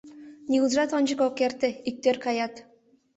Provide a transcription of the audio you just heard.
Нигудыжат ончык ок эрте, иктӧр каят.